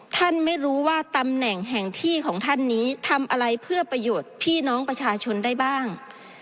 ท่านไม่รู้ว่าตำแหน่งแห่งที่ของท่านนี้ทำอะไรเพื่อประโยชน์พี่น้องประชาชนได้บ้าง